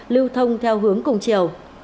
lưu thông theo hướng cùng chiều